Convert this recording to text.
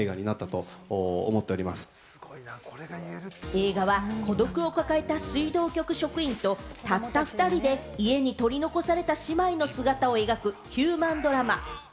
映画は孤独を抱えた水道局職員と、たった２人で家に取り残された姉妹の姿を描くヒューマンドラマ。